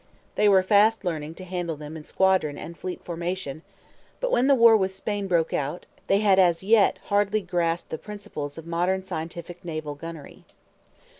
They were fast learning to handle them in squadron and fleet formation; but when the war with Spain broke out, they had as yet hardly grasped the principles of modern scientific naval gunnery.